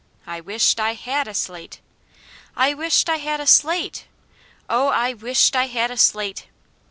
I wisht I HAD a slate! I wisht I had a SLATE! Oh I WISHT I HAD A SLATE!"